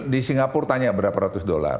di singapura tanya berapa ratus dolar